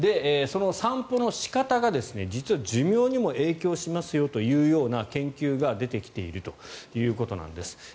散歩の仕方が実は寿命にも影響しますよというような研究が出てきているということなんです。